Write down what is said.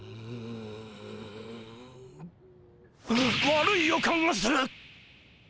悪い予感がする！